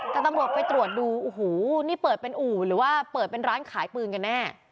แต่ตำรวจไปตรวจดูโอ้โหนี่เปิดเป็นอู่หรือว่าเปิดเป็นร้านขายปืนกันแน่